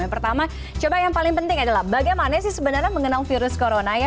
yang pertama coba yang paling penting adalah bagaimana sih sebenarnya mengenang virus corona ya